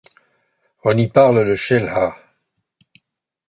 On y parle la Chelha.